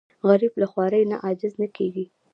غریب له خوارۍ نه عاجز نه کېږي